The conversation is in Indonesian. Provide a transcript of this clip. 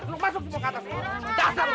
susah sekarang aku ga ada senin